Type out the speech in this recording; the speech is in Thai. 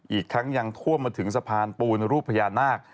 อีกทั้งยังท่วมมาถึงสะพานปูนรูปพญานาค